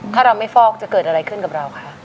ถ้าเราไม่ฟอกจะเกิดอะไรขึ้นกับเราคะ